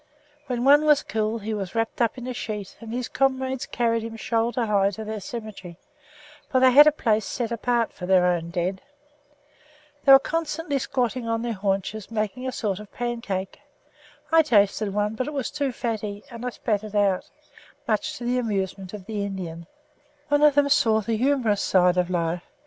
When one was killed, he was wrapped up in a sheet and his comrades carried him shoulder high to their cemetery, for they had a place set apart for their own dead. They were constantly squatting on their haunches making a sort of pancake. I tasted one; but it was too fatty and I spat it out, much to the amusement of the Indians. One of them saw the humorous side of life.